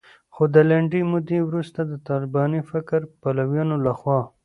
خو د لنډې مودې وروسته د طالباني فکر پلویانو لخوا